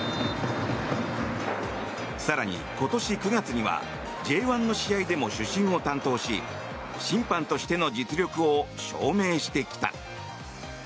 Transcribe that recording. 更に、今年９月にはＪ１の試合でも主審を担当し審判としての実力を証明してきた。